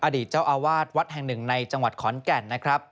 อดีตเจ้าอาวาสวัดแห่งหนึ่งในจังหวัดขอนแก่นนะครับ